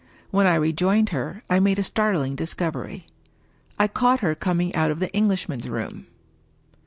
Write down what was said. When I rejoined her, I made a startling discovery. I caught her coming out of the Eng lishman's room.